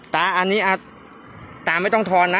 แต่อันนี้ไม่ต้องทรนะ